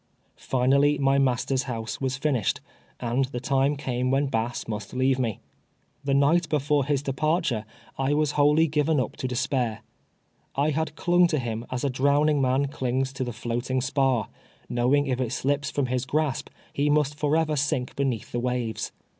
Finally my master's house was finished, and the time came when Bass must leave me. The night before his departure I Avas wholly given up to despair. I had clung to him as a drowning man clings to the floating spar, knowing if it slips from his grasp he must forever sink beneath the waves.